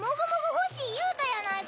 欲しい言うたやないか。